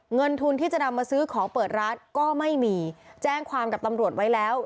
เงินทุนที่จะนำมาซื้อของเปิดร้านก็ไม่มีแจ้งความกับตำรวจไว้แล้ว